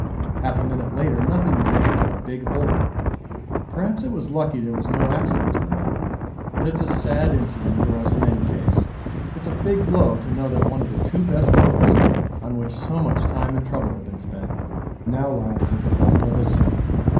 Half a minute later nothing remained but a big hole. Perhaps it was lucky there was no accident to the men, but it's a sad incident for us in any case. It's a big blow to know that one of the two best motors, on which so much time and trouble have been spent, now lies at the bottom of the sea.